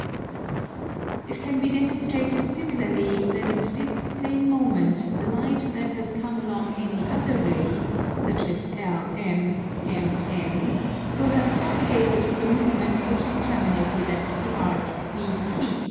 It can be demonstrated similarly that at this same moment the light that has come along any other ray, such as LM, MN, will have propagated the movement which is terminated at the arc BP.